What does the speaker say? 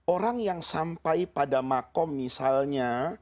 orang yang sampai pada makom misalnya